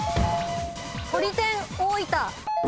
とり天大分。